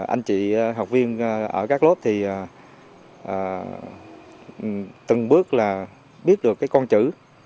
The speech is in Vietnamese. anh chị học viên ở các lớp từng bước biết được con chữ